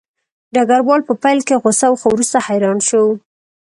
ډګروال په پیل کې غوسه و خو وروسته حیران شو